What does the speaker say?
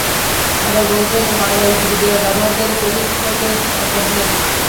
আবার বলছেন, বাংলা উইকিপিডিয়ায় ব্যবহারকারী পরীক্ষকের সংকট নেই।